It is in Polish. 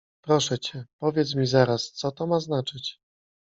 Proszę cię, powiedz mi zaraz, co to ma znaczyć?…